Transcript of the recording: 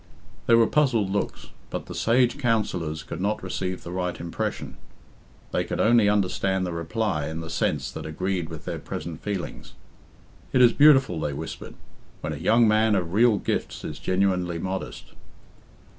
There were puzzled looks, but the sage counsellors could not receive the right impression; they could only understand the reply in the sense that agreed with their present feelings. "It is beautiful," they whispered, "when a young man of real gifts is genuinely modest."